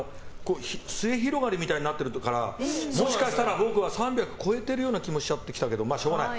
末広がりみたいになってるからもしかしたら３００超えてる気もしてきちゃったけどしょうがない。